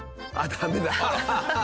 ダメだ。